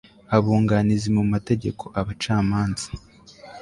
abunganizi mu mategeko abacamanza